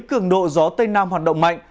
cường độ gió tây nam hoạt động mạnh